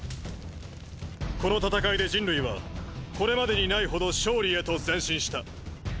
この戦いで人類はこれまでにないほど勝利へと前進した。